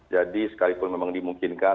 jadi sekalipun memang dimungkinkan